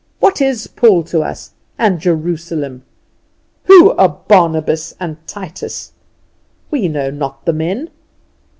What is Paul to us and Jerusalem? We are Barnabas and Titus? We know not the men.